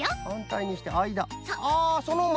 はんたいにしてあいだ。